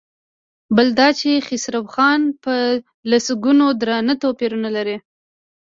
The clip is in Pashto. بل دا چې خسرو خان په لسګونو درانه توپونه لري.